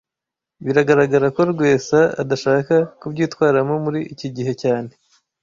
Biragaragara ko Rwesa adashaka kubyitwaramo muri iki gihe cyane